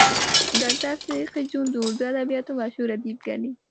ډاکټر صدیقي جون د اردو ادبياتو مشهور ادیب ګڼي